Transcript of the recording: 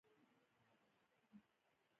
په غم او ښادۍ کې ټول شریک دي.